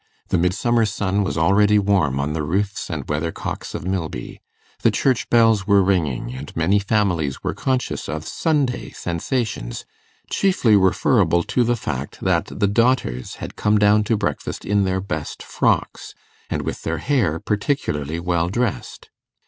The midsummer sun was already warm on the roofs and weathercocks of Milby. The church bells were ringing, and many families were conscious of Sunday sensations, chiefly referable to the fact that the daughters had come down to breakfast in their best frocks, and with their hair particularly well dressed.